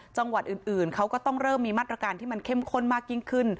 จังหวัดอื่นเขาก็ต้องเริ่มมีมาตรการที่มันเข้มข้นมากยิ่งขึ้น